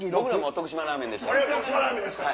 徳島ラーメンですから。